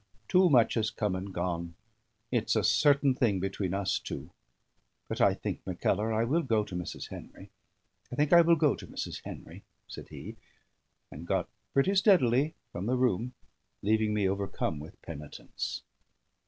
Too much has come and gone. It's a certain thing between us two. But I think, Mackellar, I will go to Mrs. Henry I think I will go to Mrs. Henry," said he, and got pretty steadily from the room, leaving me overcome with penitence.